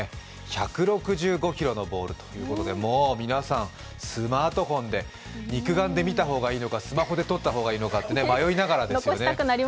１６５キロのボールということで、皆さん、スマートフォンで肉眼で見た方がいいのか、スマホで撮った方がいいのか残したくなりますよね。